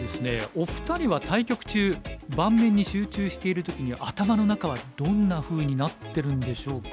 お二人は対局中盤面に集中している時に頭の中はどんなふうになってるんでしょうか？